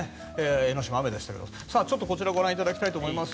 江の島、雨でしたけどちょっとこちらご覧いただきたいと思います。